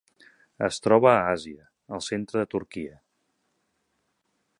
Es troba a Àsia: el centre de Turquia.